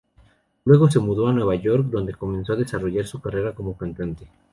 Luego se mudó a Nueva York donde comenzó a desarrollar su carrera como cantante.